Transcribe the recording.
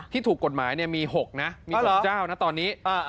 ถูกกฎหมายมี๖นะมี๖เจ้านะตอนนี้